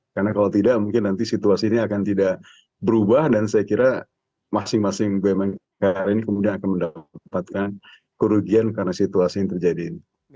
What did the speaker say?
karena kalau tidak mungkin nanti situasinya akan tidak berubah dan saya kira masing masing bumn karya ini kemudian akan mendapatkan kerugian karena situasi yang terjadi ini